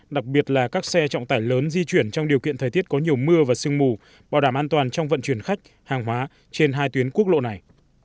đặc biệt là các xe trọng tải lớn di chuyển trong điều kiện thời tiết có nhiều mưa và sương mù bảo đảm an toàn trong vận chuyển khách hàng hóa trên hai tuyến quốc lộ này